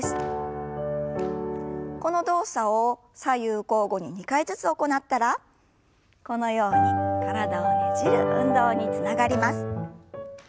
この動作を左右交互に２回ずつ行ったらこのように体をねじる運動につながります。